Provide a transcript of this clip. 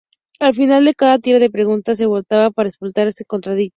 Al final de cada tira de preguntas, se votaba para expulsar a un contrincante.